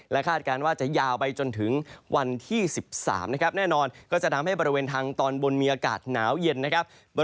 คาดการณ์ว่าจะยาวไปจนถึงวันที่๑๓นะครับแน่นอนก็จะทำให้บริเวณทางตอนบนมีอากาศหนาวเย็นนะครับ